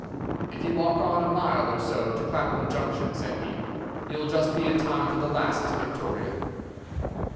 "'If you walk on a mile or so to Clapham Junction,' said he, 'you'll just be in time for the last to Victoria.